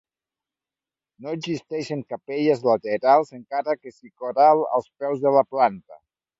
No existeixen capelles laterals encara que sí cor alt als peus de la planta.